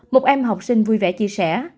một em học sinh vui vẻ chia sẻ